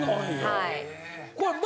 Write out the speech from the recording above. はい。